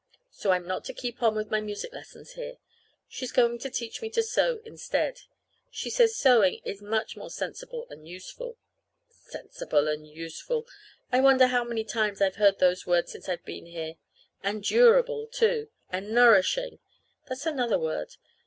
So I'm not to keep on with my music lessons here. She's going to teach me to sew instead. She says sewing is much more sensible and useful. Sensible and useful! I wonder how many times I've heard those words since I've been here. And durable, too. And nourishing. That's another word.